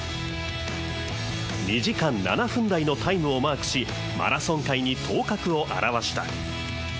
２時間７分台のタイムをマークし、マラソン界に頭角を現した。